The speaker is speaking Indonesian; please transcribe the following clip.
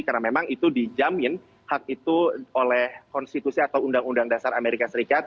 karena memang itu dijamin hak itu oleh konstitusi atau undang undang dasar amerika serikat